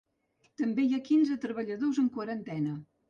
També hi ha quinze treballadors en quarantena.